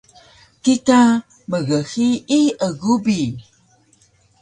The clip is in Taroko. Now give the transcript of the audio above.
kika mghiyi egu bi